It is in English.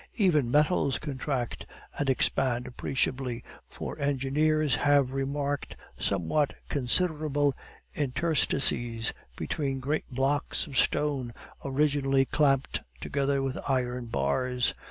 Even metals contract and expand appreciably, for engineers have remarked somewhat considerable interstices between great blocks of stone originally clamped together with iron bars.